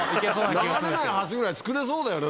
流れない橋ぐらいつくれそうだよね。